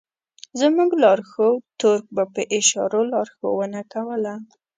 زموږ لارښود تُرک به په اشارو لارښوونه کوله.